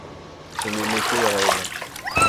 Je n'aimai que le rêve.